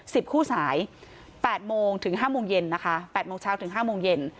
คู่สายแปดโมงถึงห้าโมงเย็นนะคะแปดโมงเช้าถึงห้าโมงเย็น